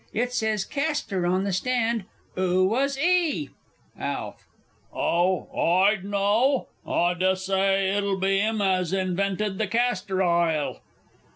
It says "Castor" on the stand. 'Oo was 'e? ALF. Oh, I d' know. I dessay it'll be 'im as invented the Castor Ile.